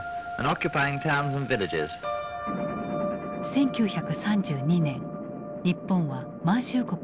１９３２年日本は満州国を建国する。